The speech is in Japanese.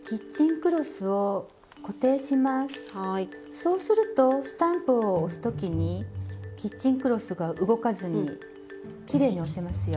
そうするとスタンプを押す時にキッチンクロスが動かずにきれいに押せますよ。